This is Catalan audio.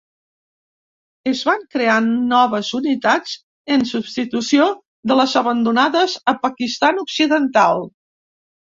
Es van crear noves unitats en substitució de les abandonades a Pakistan Occidental.